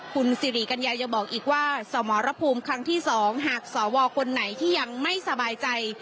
คุณสิริกัญญายังบอกอีกว่าสมรภูมิครั้งที่๒หากสวคนไหนที่ยังไม่สบายใจ